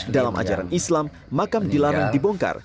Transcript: dalam ajaran islam makam dilarang dibongkar